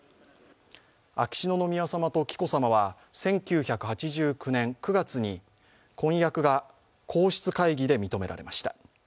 秋篠宮さまと紀子さまは１９８９年９月に婚約が皇室会議で認められました。